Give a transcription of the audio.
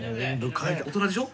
大人でしょ？